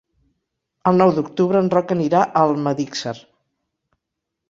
El nou d'octubre en Roc anirà a Almedíxer.